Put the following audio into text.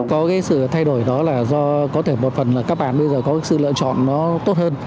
có cái sự thay đổi đó là do có thể một phần là các bạn bây giờ có cái sự lựa chọn nó tốt hơn